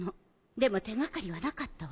でも手掛かりはなかったわ。